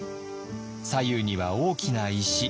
左右には大きな石。